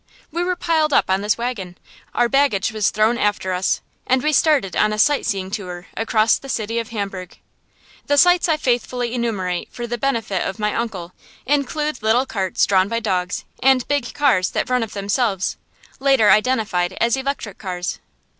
We were piled up on this wagon, our baggage was thrown after us, and we started on a sight seeing tour across the city of Hamburg. The sights I faithfully enumerate for the benefit of my uncle include little carts drawn by dogs, and big cars that run of themselves, later identified as electric cars.